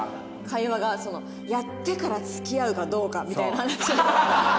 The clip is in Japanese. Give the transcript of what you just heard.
会話がそのやってから付き合うかどうかみたいな話。